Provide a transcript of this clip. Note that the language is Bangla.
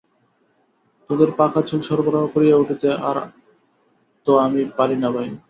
তােদের পাকাচুল সবরাহ করিয়া উঠিতে আর তো আমি পারি না ভাই।